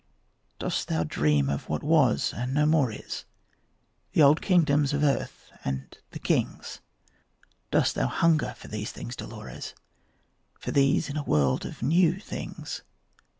Dost thou dream of what was and no more is, The old kingdoms of earth and the kings? Dost thou hunger for these things, Dolores, For these, in a world of new things?